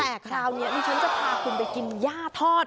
แต่คราวนี้ดิฉันจะพาคุณไปกินย่าทอด